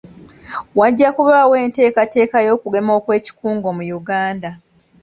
Wajja kubaawo enteekateeka y'okugema okw'ekikungo mu Uganda.